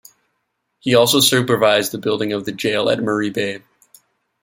He also supervised the building of a jail at Murray Bay.